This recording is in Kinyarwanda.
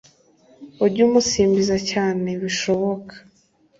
Ujye umusimbiza cyane bishoboka